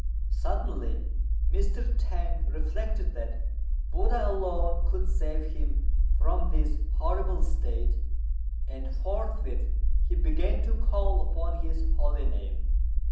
Suddenly Mr. T'ang reflected that Buddha alone could save him from this horrible state, and forthwith he began to call upon his holy name.